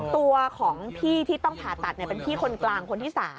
ตัวของพี่ที่ต้องผ่าตัดเป็นพี่คนกลางคนที่๓